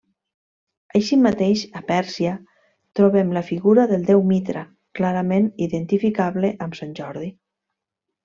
Així mateix a Pèrsia trobem la figura del déu Mitra, clarament identificable amb sant Jordi.